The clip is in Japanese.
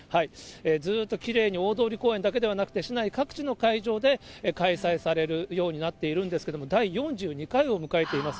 ずっときれいに大通公園だけではなくて、市内各地の会場で開催されるようになっているんですけれども、第４２回を迎えています。